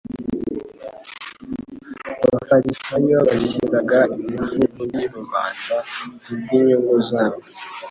Abafarisayo bashyiraga ingufu kuri rubanda kubw'inyungu zabo.